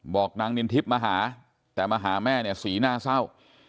บอกนางนินทิพย์มาหาแต่มาหาแม่เนี่ยสีหน้าเศร้า